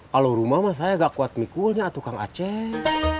kalau rumah mas saya gak kuat mikulnya atuh kang aceh